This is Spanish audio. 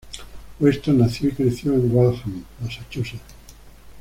Weston nació y creció en Waltham, Massachusetts.